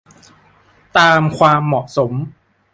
ตามความเหมาะสม